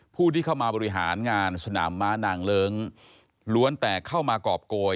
ผู้ที่เข้ามาบริหารงานสนามม้านางเลิ้งล้วนแต่เข้ามากรอบโกย